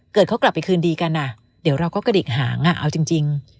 เขากลับไปคืนดีกันเดี๋ยวเราก็กระดิกหางเอาจริง